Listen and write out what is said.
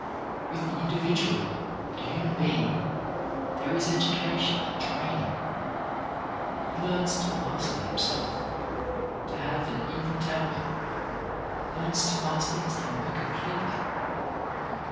With the in dividual, the human being, there is education and training. He learns to master himself, to have an even temper ; learns to master his temper completely.